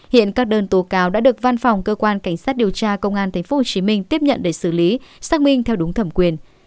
hiện các đơn tố cáo đã được văn phòng cơ quan cảnh sát điều tra công an tp hcm tiếp nhận để xử lý xác minh theo đúng thẩm quyền